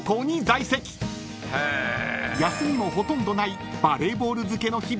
［休みもほとんどない］